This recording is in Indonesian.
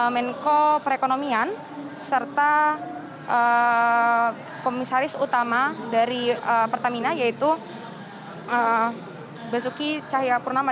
menko perekonomian serta komisaris utama dari pertamina yaitu basuki cahayapurnama